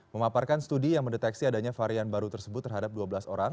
memaparkan studi yang mendeteksi adanya varian baru tersebut terhadap dua belas orang